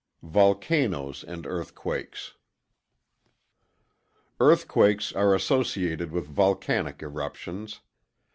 _] Volcanoes and Earthquakes Earthquakes are associated with volcanic eruptions.